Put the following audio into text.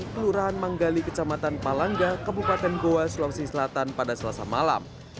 kelurahan manggali kecamatan palangga kabupaten goa sulawesi selatan pada selasa malam